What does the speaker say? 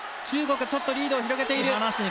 中国がちょっとリードを広げている。